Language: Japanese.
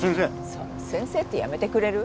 その先生ってやめてくれる？